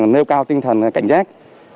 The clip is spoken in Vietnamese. nêu cao tinh thần cảnh giác